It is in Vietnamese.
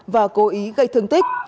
và cố ý gây thương tích